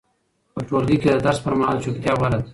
په ټولګي کې د درس پر مهال چوپتیا غوره ده.